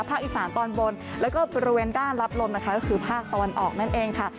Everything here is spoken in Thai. ภาคอีสานตอนบนแล้วก็บริเวณด้านรับลมนะคะก็คือภาคตะวันออกนั่นเองค่ะ